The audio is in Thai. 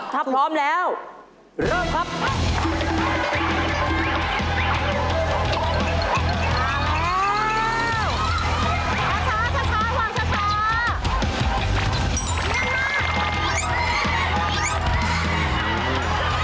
ถ้าพร้อมแล้วเริ่มครับ